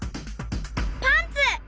パンツ！